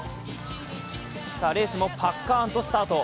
レースもパッカーンとスタート。